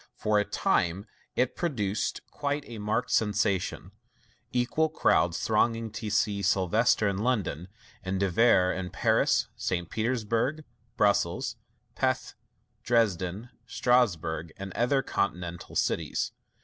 For a time it produced quite a marked sensation, equal crowds thronging to see Sylvester in London, and De Vere in Paris, St. Petersburg, Brussels, Pesth, Dresden, Strasburg, and other continental cities.